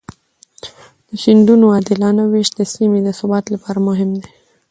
د سیندونو عادلانه وېش د سیمې د ثبات لپاره مهم دی.